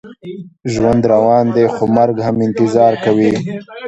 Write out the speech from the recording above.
ژوند روان دی، خو مرګ هم انتظار کوي.